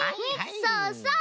そうそう！